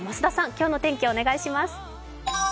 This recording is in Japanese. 今日の天気お願いします。